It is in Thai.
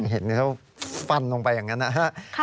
เห็นเนื้อฟันลงไปอย่างนั้นนะฮะค่ะ